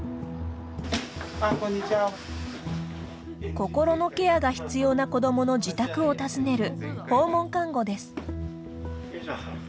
心のケアが必要な子どもの自宅を訪ねる、訪問看護です。